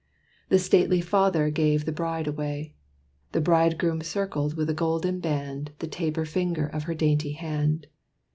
The stately father gave the bride away: The bridegroom circled with a golden band The taper finger of her dainty hand.